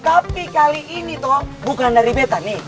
tapi kali ini toh bukan dari betta nih